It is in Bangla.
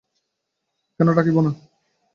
কেন রাখিব না?